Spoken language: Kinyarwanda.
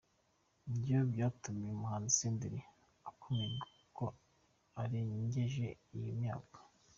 Ibyo byatumye umuhanzi Senderi akumirwa kuko arengeje iyo myaka.